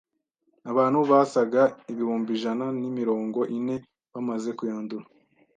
Abantu basaga ibihumbi ijana ni mirongo ine bamaze kuyandura